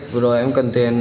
vừa rồi em cần tiền